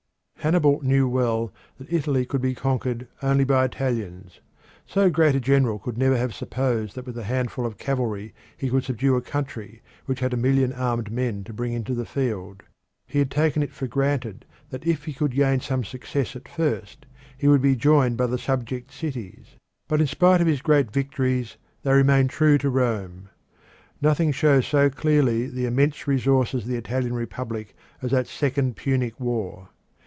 Hannibal knew well that Italy could be conquered only by Italians. So great a general could never have supposed that with a handful of cavalry he could subdue a country which had a million armed men to bring into the field. He had taken it for granted that if he could gain some success at first he would be joined by the subject cities. But in spite of his great victories they remained true to Rome. Nothing shows so clearly the immense resources of the Italian Republic as that second Punic War.